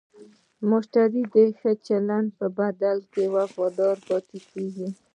مشتری د ښه چلند په بدل کې وفادار پاتې کېږي.